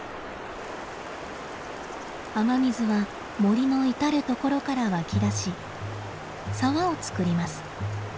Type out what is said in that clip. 雨水は森の至る所から湧き出し沢を作ります。